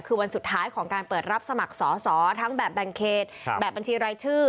คือวันสุดท้ายของการเปิดรับสมัครสอสอทั้งแบบแบ่งเขตแบบบัญชีรายชื่อ